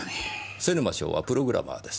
瀬沼翔はプログラマーです。